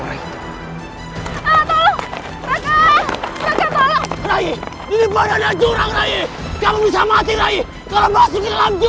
akhirnya aku bertemu denganmu